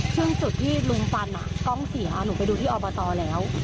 ซึ่งจุดที่ลุงฟันกล้องเสียหนูไปดูที่อบตแล้ว